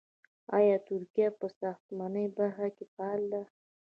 آیا ترکیه په ساختماني برخه کې فعاله ده؟